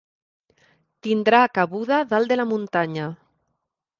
Tindrà cabuda dalt de la muntanya.